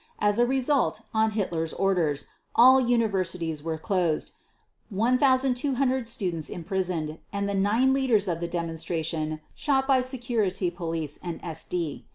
As a result, on Hitler's orders, all universities were closed, 1,200 students imprisoned, and the nine leaders of the demonstration shot by Security Police and SD.